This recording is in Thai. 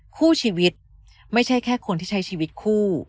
คู่ชีวิตไม่ใช่แค่คนที่ใช้ชีวิตคู่